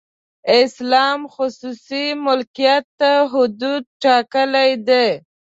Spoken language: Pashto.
اسلام خصوصي ملکیت ته حدود ټاکلي دي.